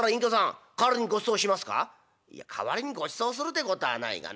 「いや代わりにごちそうするてことはないがな。